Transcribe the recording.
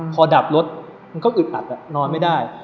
พอดับรถมันก็อึดอัดนอนไม่ได้